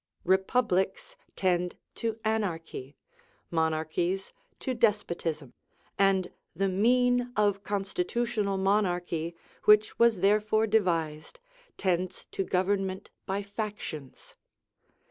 Republics tend to anarchy, monarchies to despotism, and the mean of constitutional monarchy, which was therefore devised, tends to government by factions.